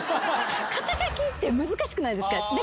肩書って難しくないですか？